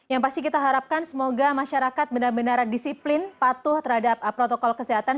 yang pasti kita harapkan semoga masyarakat benar benar disiplin patuh terhadap protokol kesehatan